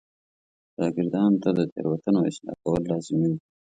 شاګردانو ته د تېروتنو اصلاح کول لازمي و.